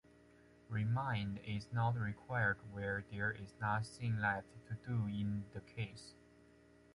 Remand is not required where there is nothing left to do in the case.